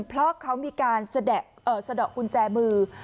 เพราะเขามีการสะดอกกุญแจมือ